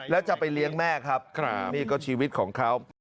แล้วจะไปเลี้ยงแม่ครับนี่ก็ชีวิตของเขา